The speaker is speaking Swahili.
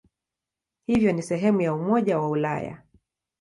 Hivyo ni sehemu ya Umoja wa Ulaya.